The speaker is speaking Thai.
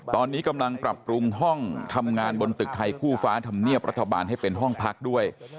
ตอนนี้กำลังปรับปรุงห้องทำงานบนตึกไทยคู่ฟ้าธรรมเนียบรัฐบาลให้เป็นห้องพักด้วย